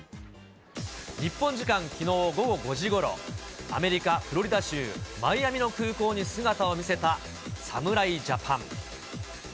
日本時間きのう午後５時ごろ、アメリカ・フロリダ州マイアミの空港に姿を見せた侍ジャパン。